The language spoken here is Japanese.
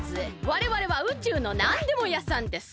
われわれは宇宙のなんでも屋さんです。